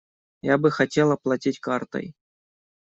Я бы хотел оплатить картой.